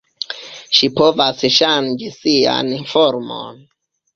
Ŝi povas ŝanĝi sian formon.